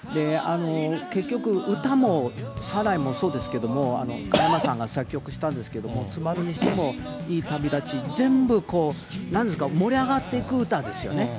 結局、歌もサライもそうですけど、加山さんが作曲したんですけども、昴にしてもいい日旅立ち、全部、なんか盛り上がっていく歌ですよね。